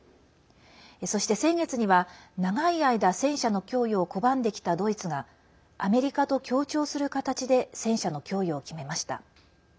そして、先月には長い間戦車の供与を拒んできたドイツがアメリカと協調する形で戦車の供与を決めました。